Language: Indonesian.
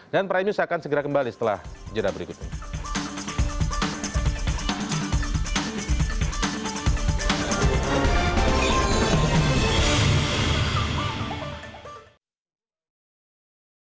dan prime news akan segera kembali setelah jadwal berikutnya